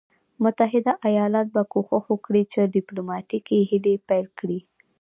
متحده ایالات به کوښښ وکړي چې ډیپلوماټیکي هلې پیل کړي.